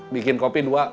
bikin kopi dua